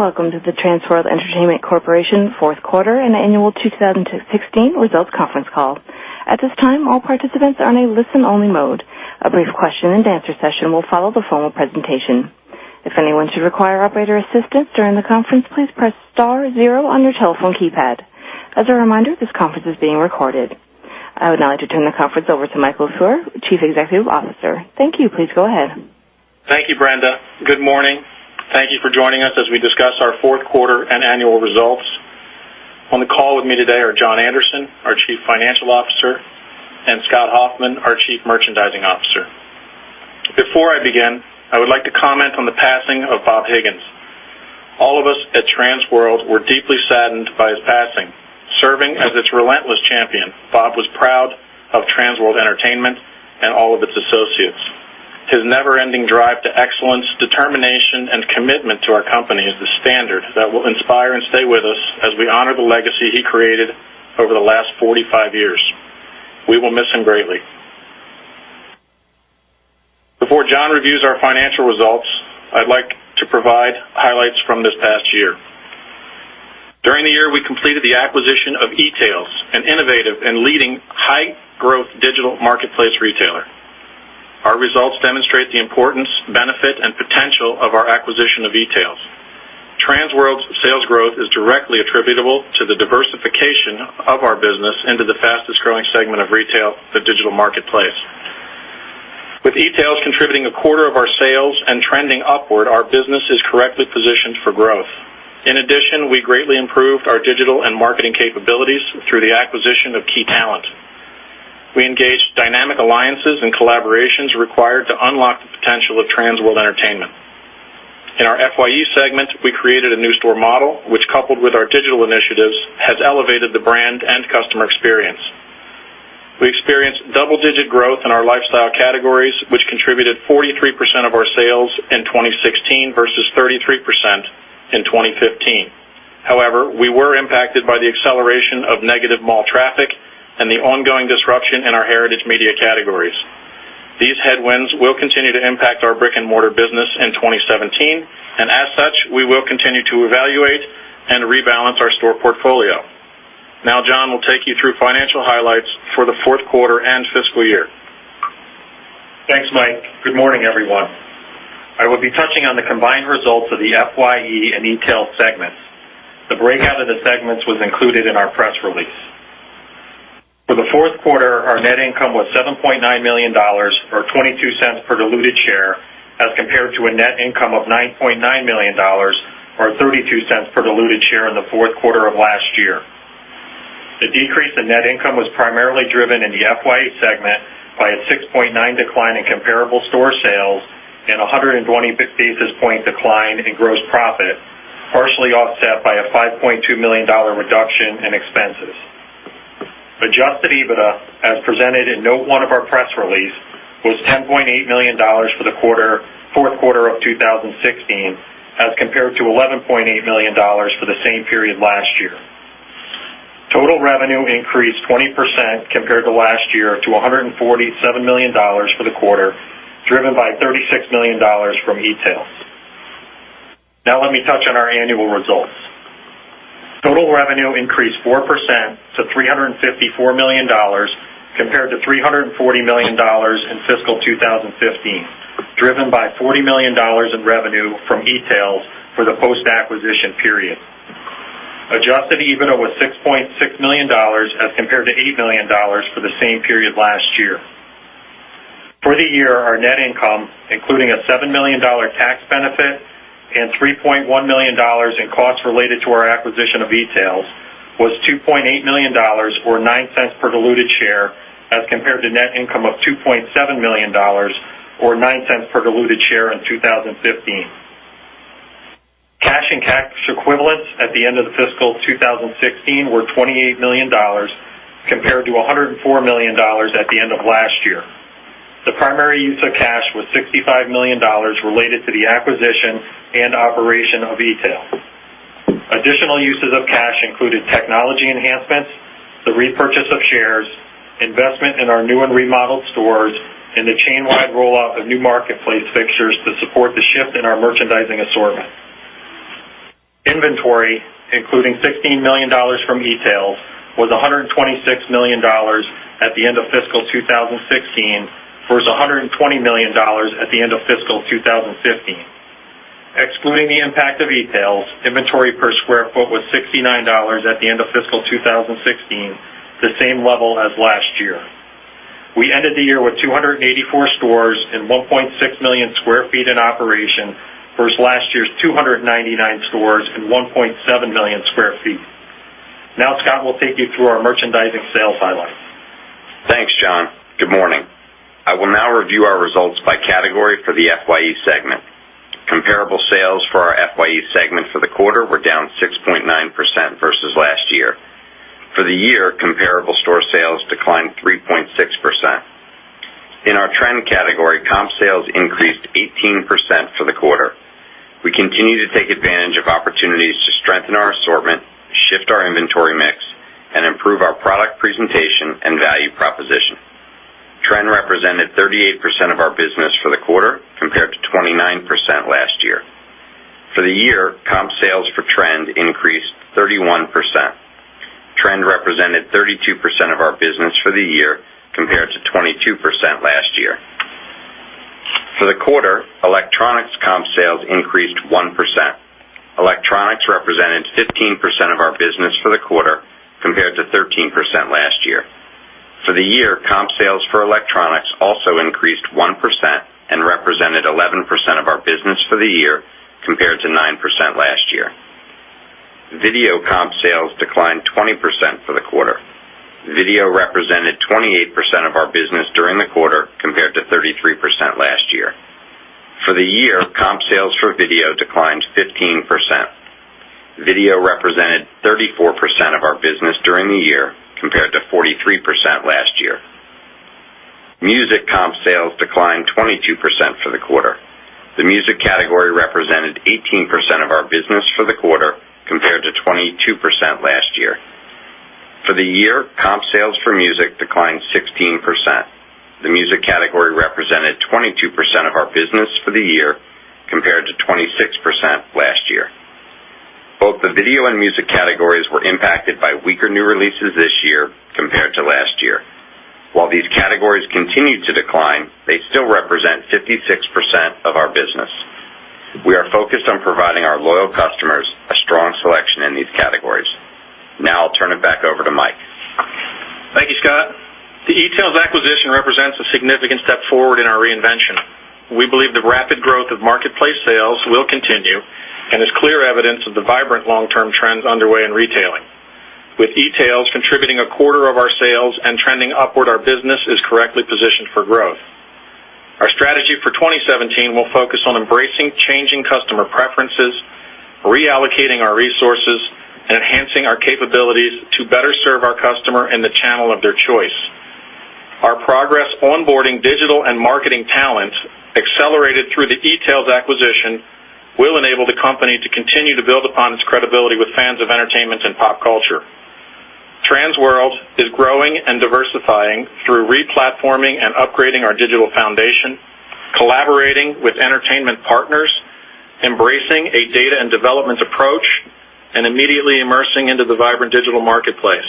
Good evening, and welcome to the Trans World Entertainment Corporation fourth quarter and annual 2016 results conference call. At this time, all participants are in a listen-only mode. A brief question-and-answer session will follow the formal presentation. If anyone should require operator assistance during the conference, please press star zero on your telephone keypad. As a reminder, this conference is being recorded. I would now like to turn the conference over to Michael Feurer, Chief Executive Officer. Thank you. Please go ahead. Thank you, Brenda. Good morning. Thank you for joining us as we discuss our fourth quarter and annual results. On the call with me today are John Anderson, our Chief Financial Officer, and Scott Hoffman, our Chief Merchandising Officer. Before I begin, I would like to comment on the passing of Bob Higgins. All of us at Trans World were deeply saddened by his passing. Serving as its relentless champion, Bob was proud of Trans World Entertainment and all of its associates. His never-ending drive to excellence, determination, and commitment to our company is the standard that will inspire and stay with us as we honor the legacy he created over the last 45 years. We will miss him greatly. Before John reviews our financial results, I'd like to provide highlights from this past year. During the year, we completed the acquisition of etailz, an innovative and leading high-growth digital marketplace retailer. Our results demonstrate the importance, benefit, and potential of our acquisition of etailz. Trans World's sales growth is directly attributable to the diversification of our business into the fastest-growing segment of retail, the digital marketplace. With etailz contributing a quarter of our sales and trending upward, our business is correctly positioned for growth. In addition, we greatly improved our digital and marketing capabilities through the acquisition of key talent. We engaged dynamic alliances and collaborations required to unlock the potential of Trans World Entertainment. In our FYE segment, we created a new store model, which, coupled with our digital initiatives, has elevated the brand and customer experience. We experienced double-digit growth in our lifestyle categories, which contributed 43% of our sales in 2016 versus 33% in 2015. However, we were impacted by the acceleration of negative mall traffic and the ongoing disruption in our heritage media categories. These headwinds will continue to impact our brick-and-mortar business in 2017, and as such, we will continue to evaluate and rebalance our store portfolio. Now John will take you through financial highlights for the fourth quarter and fiscal year. Thanks, Mike. Good morning, everyone. I will be touching on the combined results of the FYE and etailz segments. The breakout of the segments was included in our press release. For the fourth quarter, our net income was $7.9 million, or $0.22 per diluted share, as compared to a net income of $9.9 million or $0.32 per diluted share in the fourth quarter of last year. The decrease in net income was primarily driven in the FYE segment by a 6.9% decline in comparable store sales and a 120 basis point decline in gross profit, partially offset by a $5.2 million reduction in expenses. Adjusted EBITDA, as presented in note one of our press release, was $10.8 million for the fourth quarter of 2016 as compared to $11.8 million for the same period last year. Total revenue increased 20% compared to last year to $147 million for the quarter, driven by $36 million from etailz. Let me touch on our annual results. Total revenue increased 4% to $354 million compared to $340 million in fiscal 2015, driven by $40 million in revenue from etailz for the post-acquisition period. Adjusted EBITDA was $6.6 million as compared to $8 million for the same period last year. For the year, our net income, including a $7 million tax benefit and $3.1 million in costs related to our acquisition of etailz, was $2.8 million or $0.09 per diluted share as compared to net income of $2.7 million or $0.09 per diluted share in 2015. Cash and cash equivalents at the end of the fiscal 2016 were $28 million compared to $104 million at the end of last year. The primary use of cash was $65 million related to the acquisition and operation of etailz. Additional uses of cash included technology enhancements, the repurchase of shares, investment in our new and remodeled stores, and the chain-wide rollout of new marketplace fixtures to support the shift in our merchandising assortment. Inventory, including $16 million from etailz, was $126 million at the end of fiscal 2016 versus $120 million at the end of fiscal 2015. Excluding the impact of etailz, inventory per square foot was $69 at the end of fiscal 2016, the same level as last year. We ended the year with 284 stores and 1.6 million sq ft in operation versus last year's 299 stores and 1.7 million sq ft. Scott will take you through our merchandising sales highlights. Thanks, John. Good morning. I will now review our results by category for the FYE segment. Comparable sales for our FYE segment for the quarter were down 6.9% versus last year. For the year, comparable store sales declined 3.6%. In our trend category, comp sales increased 18% for the quarter. We continue to take advantage of opportunities to strengthen our assortment, shift our inventory mix and improve our product presentation and value proposition. Trying to represent 38% of our business for the quarter, compared to 29% last year. For the year, comp sales for trend increased 31%. Trend represented 32% of our business for the year, compared to 22% last year. For the quarter, electronics comp sales increased 1%. Electronics represented 15% of our business for the quarter, compared to 13% last year. For the year, comp sales for electronics also increased 1% and represented 11% of our business for the year, compared to 9% last year. Video comp sales declined 20% for the quarter. Video represented 28% of our business during the quarter, compared to 33% last year. For the year, comp sales for video declined 15%. Video represented 34% of our business during the year, compared to 43% last year. Music comp sales declined 22% for the quarter. The music category represented 18% of our business for the quarter, compared to 22% last year. For the year, comp sales for music declined 16%. The music category represented 22% of our business for the year, compared to 26% last year. Both the video and music categories were impacted by weaker new releases this year compared to last year. While these categories continue to decline, they still represent 56% of our business. We are focused on providing our loyal customers a strong selection in these categories. Now I'll turn it back over to Mike. Thank you, Scott. The etailz acquisition represents a significant step forward in our reinvention. We believe the rapid growth of marketplace sales will continue and is clear evidence of the vibrant long-term trends underway in retailing. With etailz contributing a quarter of our sales and trending upward, our business is correctly positioned for growth. Our strategy for 2017 will focus on embracing changing customer preferences, reallocating our resources, and enhancing our capabilities to better serve our customer in the channel of their choice. Our progress onboarding digital and marketing talent, accelerated through the etailz acquisition, will enable the company to continue to build upon its credibility with fans of entertainment and pop culture. Trans World is growing and diversifying through re-platforming and upgrading our digital foundation, collaborating with entertainment partners, embracing a data and development approach, and immediately immersing into the vibrant digital marketplace.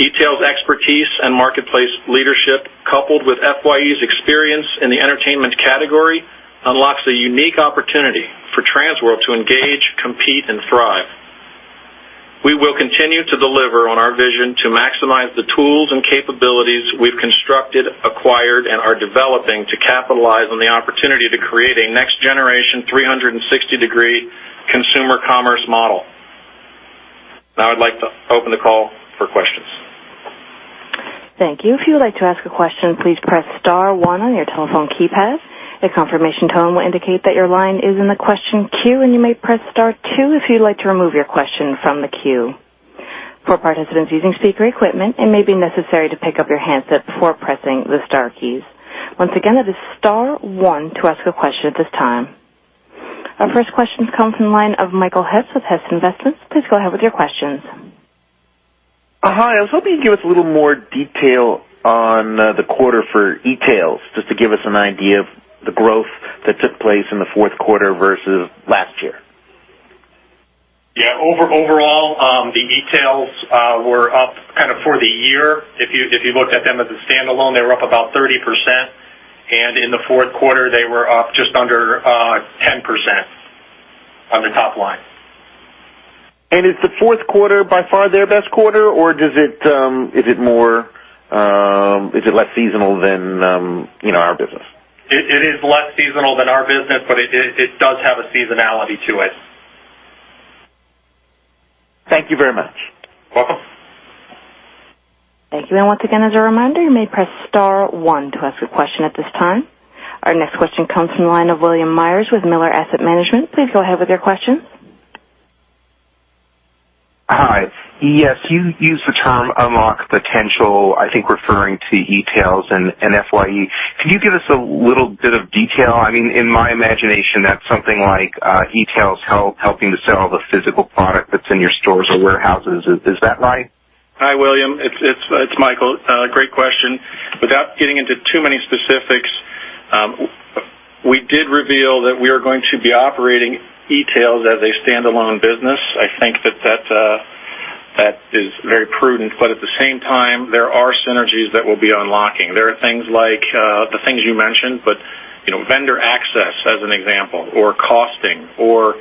etailz expertise and marketplace leadership, coupled with FYE's experience in the entertainment category, unlocks a unique opportunity for Trans World to engage, compete, and thrive. We will continue to deliver on our vision to maximize the tools and capabilities we've constructed, acquired, and are developing to capitalize on the opportunity to create a next-generation, 360-degree consumer commerce model. Now I'd like to open the call for questions. Thank you. If you would like to ask a question, please press *1 on your telephone keypad. A confirmation tone will indicate that your line is in the question queue, and you may press *2 if you'd like to remove your question from the queue. For participants using speaker equipment, it may be necessary to pick up your handset before pressing the star keys. Once again, that is *1 to ask a question at this time. Our first question comes from the line of Michael Hess with Hess Investments. Please go ahead with your questions. Hi. I was hoping you'd give us a little more detail on the quarter for etailz, just to give us an idea of the growth that took place in the fourth quarter versus last year. Yeah. Overall, the etailz were up for the year. If you looked at them as a standalone, they were up about 30%, and in the fourth quarter, they were up just under 10% on the top line. Is the fourth quarter by far their best quarter, or is it less seasonal than our business? It is less seasonal than our business, but it does have a seasonality to it. Thank you very much. Welcome. Thank you. Once again, as a reminder, you may press *1 to ask a question at this time. Our next question comes from the line of William Myers with Miller Asset Management. Please go ahead with your question. Hi. Yes, you used the term unlock potential, I think referring to etailz and FYE. Can you give us a little bit of detail? In my imagination, that's something like etailz helping to sell the physical product that's in your stores or warehouses. Is that right? Hi, William. It's Michael. Great question. Without getting into too many specifics, we did reveal that we are going to be operating etailz as a standalone business. I think that that is very prudent. At the same time, there are synergies that we'll be unlocking. There are things like the things you mentioned, but vendor access, as an example, or costing, or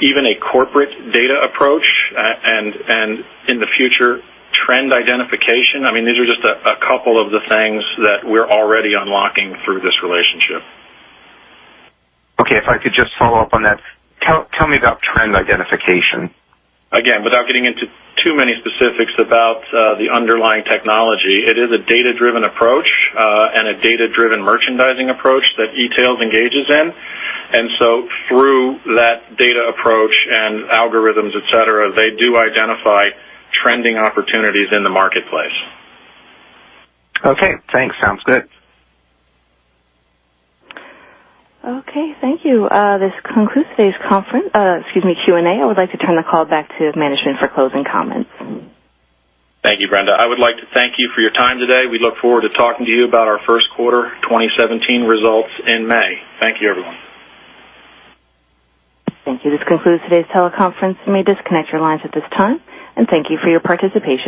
even a corporate data approach, and in the future, trend identification. These are just a couple of the things that we're already unlocking through this relationship. Okay. If I could just follow up on that, tell me about trend identification. Again, without getting into too many specifics about the underlying technology, it is a data-driven approach and a data-driven merchandising approach that etailz engages in. Through that data approach and algorithms, et cetera, they do identify trending opportunities in the marketplace. Okay. Thanks. Sounds good. Okay. Thank you. This concludes today's excuse me, Q&A. I would like to turn the call back to management for closing comments. Thank you, Brenda. I would like to thank you for your time today. We look forward to talking to you about our first quarter 2017 results in May. Thank you, everyone. Thank you. This concludes today's teleconference. You may disconnect your lines at this time, and thank you for your participation.